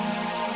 aku sudah lebih